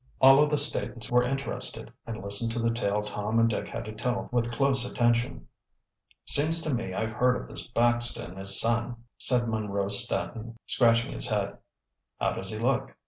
All of the Statons were interested and listened to the tale Tom and Dick had to tell with close attention. "Seems to me I've heard of this Baxter and his son," said Munro Staton, scratching his head. "How does he look?"